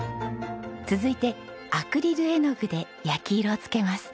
続いてアクリル絵の具で焼き色を付けます。